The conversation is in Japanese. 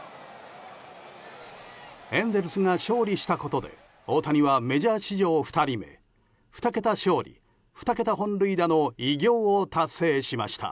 エンゼルスが勝利したことで大谷はメジャー史上２人目２桁勝利２桁本塁打の偉業を達成しました。